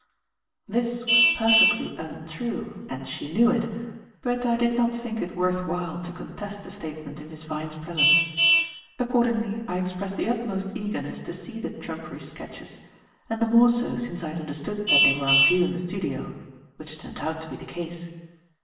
This was perfectly untrue, and she knew it; but I did not think it worth while to contest the statement in Miss Vyne's presence. Accordingly I expressed the utmost eagerness to see the trumpery sketches, and the more so since I had understood that they were on view in the studio; which turned out to be the case.